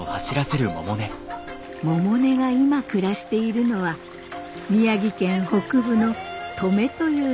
百音が今暮らしているのは宮城県北部の登米という所です。